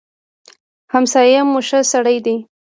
همسايه مو ښه سړی دی.